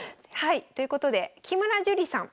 ということで木村朱里さん